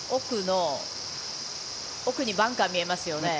奥にバンカーが見えますよね。